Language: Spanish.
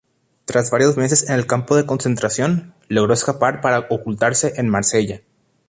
Tras varios meses en el campo de concentración, logró escapar para ocultarse en Marsella.